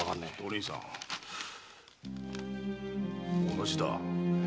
同じだ。